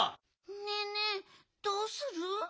ねえねえどうする？